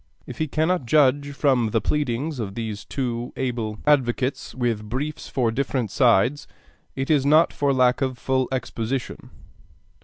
If he cannot judge from the pleadings of these two able advocates with briefs for different sides, it is not for lack of full exposition.